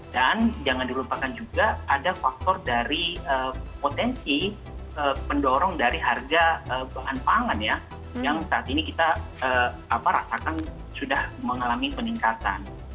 dan jangan dilupakan juga ada faktor dari potensi pendorong dari harga bahan pangan yang saat ini kita rasakan sudah mengalami peningkatan